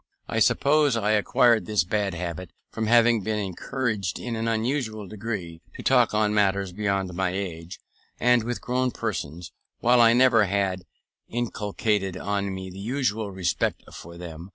I suppose I acquired this bad habit from having been encouraged in an unusual degree to talk on matters beyond my age, and with grown persons, while I never had inculcated on me the usual respect for them.